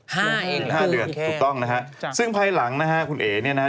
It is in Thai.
ห้าเองห้าเดือนถูกต้องนะฮะจ้ะซึ่งภายหลังนะฮะคุณเอ๋เนี่ยนะฮะ